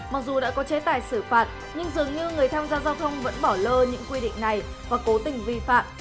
mặc dù đã có chế tài xử phạt nhưng dường như người tham gia giao thông vẫn bỏ lơ những quy định này và cố tình vi phạm